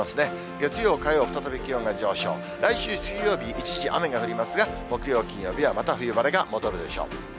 月曜、火曜、再び気温が上昇、来週水曜日、一時雨が降りますが、木曜、金曜日はまた冬晴れが戻るでしょう。